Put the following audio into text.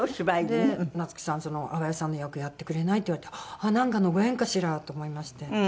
で「夏樹さんその淡谷さんの役やってくれない？」って言われてなんかのご縁かしら？と思いまして。